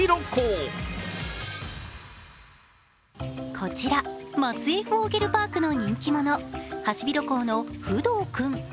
こちら松江フォーゲルパークの人気者、ハシビロコウのフドウ君。